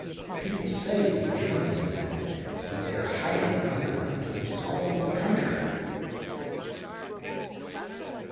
"People say that the Germans have landed, and that they are hiding in underground places all over the country."